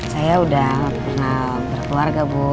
saya udah pernah berkeluarga bu